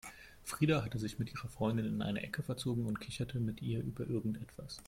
Frida hatte sich mit ihrer Freundin in eine Ecke verzogen und kicherte mit ihr über irgendwas.